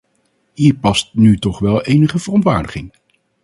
Hier past nu toch wel enige verontwaardiging.